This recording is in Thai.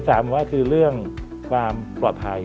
สามก็คือเรื่องความปลอดภัย